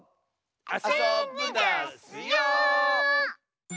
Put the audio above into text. あそぶダスよ！